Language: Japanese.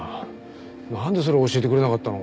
なんでそれ教えてくれなかったの？